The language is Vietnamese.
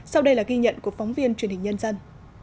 sau đây là ghi nhận của phóng viên truyền hình nhân dân